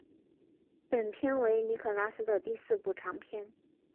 本片为尼可拉斯的第四部长片。